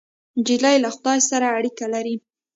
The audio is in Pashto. نجلۍ له خدای سره اړیکه لري.